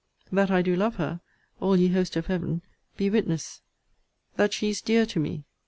That I do love her, I all ye host of Heaven, Be witness. That she is dear to me!